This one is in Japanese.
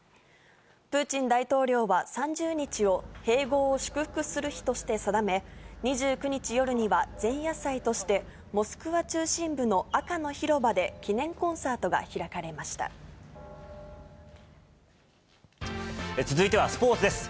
プーチン大統領は、３０日を併合を祝福する日として定め、２９日夜には、前夜祭として、モスクワ中心部の赤の広場で記念続いてはスポーツです。